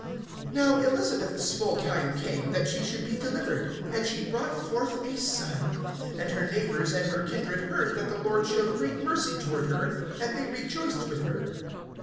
(57)Now Elisabeth's full time came that she should be delivered; and she brought forth a son. (58)And her neighbors and her kindred heard that the Lord showed great mercy toward her; and they rejoiced with her.